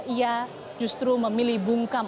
ia justru memilih bungkus